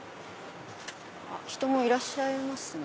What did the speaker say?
人もいらっしゃいますね。